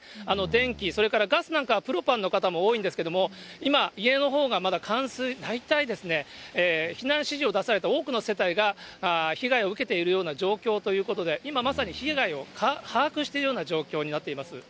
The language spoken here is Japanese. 電気、それからガスなんかはプロパンの方も多いんですけれども、今、家のほうがまだ冠水、大体ですね、避難指示を出された多くの世帯が被害を受けているような状況ということで、今まさに被害を把握しているような状況になってます。